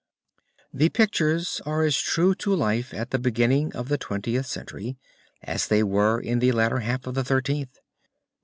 The pictures are as true to life at the beginning of the Twentieth Century as they were in the latter half of the Thirteenth.